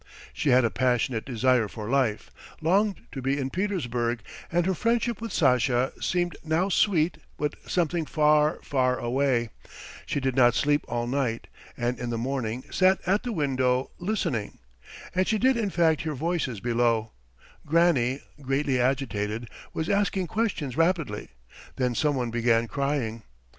She had a passionate desire for life, longed to be in Petersburg, and her friendship with Sasha seemed now sweet but something far, far away! She did not sleep all night, and in the morning sat at the window, listening. And she did in fact hear voices below; Granny, greatly agitated, was asking questions rapidly. Then some one began crying.